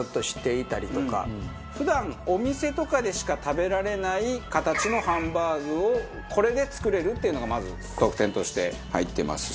普段お店とかでしか食べられない形のハンバーグをこれで作れるっていうのがまず得点として入ってますし。